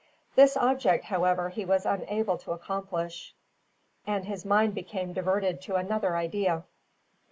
This object, however, he was unable to accomplish, and his mind became diverted to another idea.